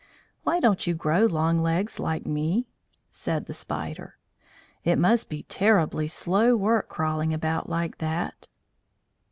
"Why don't you grow long legs like me?" said the Spider. "It must be terribly slow work crawling about like that."